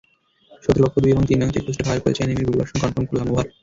শত্রুপক্ষ দুই এবং তিন নং চেকপোস্টে ফায়ার করেছে এনিমির গুলিবর্ষণ কনফার্ম করলাম, ওভার।